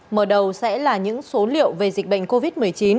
mở đầu sẽ là những số liệu về dịch bệnh covid một mươi chín